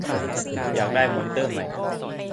อยากได้มอนิเตอร์ใหม่